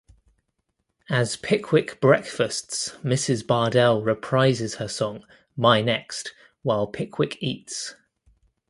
As Pickwick breakfasts Mrs Bardell reprises her song "My Next" while Pickwick eats.